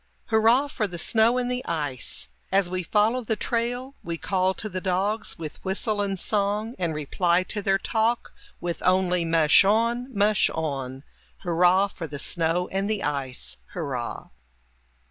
Hurrah for the snow and the ice! As we follow the trail, We call to the dogs with whistle and song, And reply to their talk With only "mush on, mush on"! Hurrah for the snow and the ice! Hurrah!